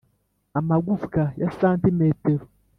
amagufwa ya santimetero